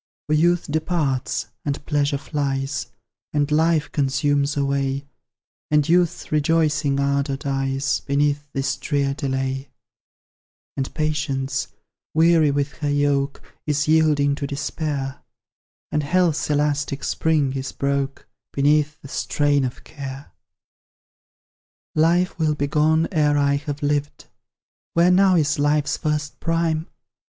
For youth departs, and pleasure flies, And life consumes away, And youth's rejoicing ardour dies Beneath this drear delay; And Patience, weary with her yoke, Is yielding to despair, And Health's elastic spring is broke Beneath the strain of care. Life will be gone ere I have lived; Where now is Life's first prime?